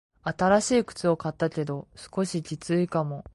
新しい靴を買ったけど、少しきついかも。